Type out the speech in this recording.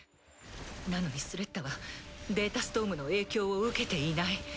なのにスレッタはデータストームの影響を受けていない。